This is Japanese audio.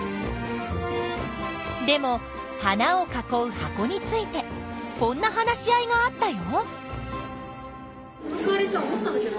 でも花を囲う箱についてこんな話し合いがあったよ。